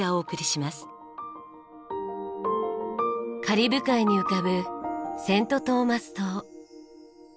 カリブ海に浮かぶセント・トーマス島。